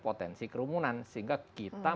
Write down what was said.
potensi kerumunan sehingga kita